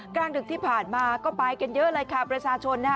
กลางดึกที่ผ่านมาก็ไปกันเยอะเลยค่ะประชาชนนะฮะ